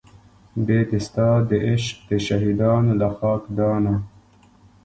بې د ستا د عشق د شهیدانو له خاکدانه